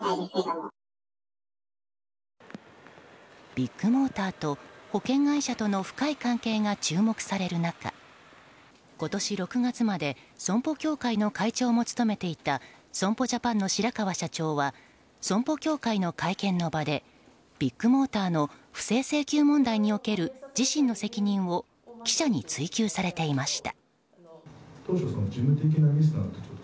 ビッグモーターと保険会社との深い関係が注目される中今年６月まで損保協会の会長も務めていた損保ジャパンの白川社長は損保協会の会見の場でビッグモーターの不正請求問題における自身の責任を記者に追及されていました。